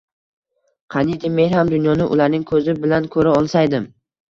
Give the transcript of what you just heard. Qaniydi men ham dunyoni ularning ko‘zi bilan ko‘ra olsaydim.